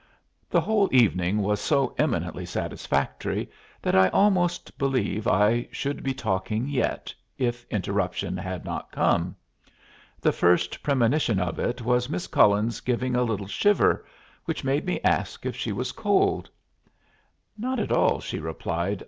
The whole evening was so eminently satisfactory that I almost believe I should be talking yet, if interruption had not come. The first premonition of it was Miss Cullen's giving a little shiver, which made me ask if she was cold. "Not at all," she replied.